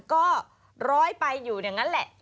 ก็ร้อยไปอยู่อย่างนั้นแหละ